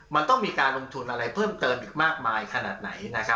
มันต้องมีการลงทุนอะไรเพิ่มเติมอีกมากมายขนาดไหน